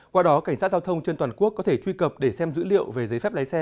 qua đó cảnh sát giao thông trên toàn quốc có thể truy cập để xem dữ liệu về giấy phép lái xe